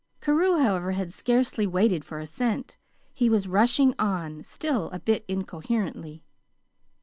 Carew, however, had scarcely waited for assent. He was rushing on, still a bit incoherently.